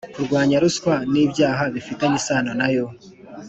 kurwanya ruswa n’ibyaha bifitanye isano nayo